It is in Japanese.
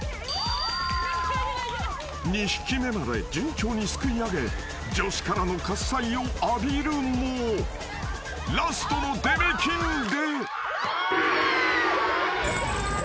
［２匹目まで順調にすくい上げ女子からの喝采を浴びるもラストのデメキンで］